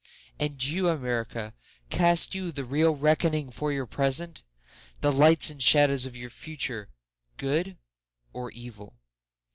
And you, America, Cast you the real reckoning for your present? The lights and shadows of your future—good or evil?